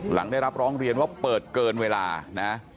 หลังได้รับร้องเรียนว่าเปิดเกินเวลานะ